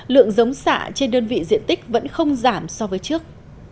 lượng giống xạ trên đơn vị diện tích vẫn không giảm so với trước